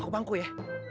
aku pangku ya